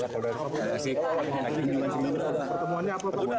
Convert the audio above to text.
pertemuannya apa pak